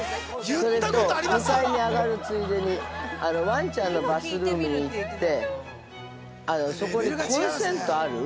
◆それと、２階に上がるついでにわんちゃんのバスルーム行ってそこにコンセントある？